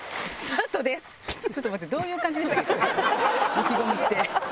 意気込みって。